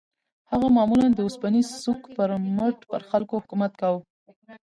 هغه معمولاً د اوسپنيز سوک پر مټ پر خلکو حکومت کاوه.